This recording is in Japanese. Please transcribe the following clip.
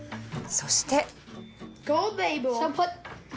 そして。